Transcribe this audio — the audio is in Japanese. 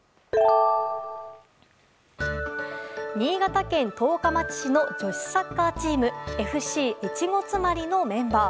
新潟県十日町市の女子サッカーチームＦＣ越後妻有のメンバー。